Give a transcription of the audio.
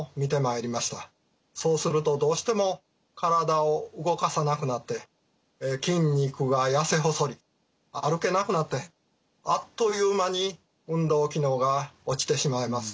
そうするとどうしても体を動かさなくなって筋肉が痩せ細り歩けなくなってあっという間に運動機能が落ちてしまいます。